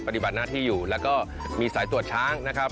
ปฏิบัติหน้าที่อยู่แล้วก็มีสายตรวจช้างนะครับ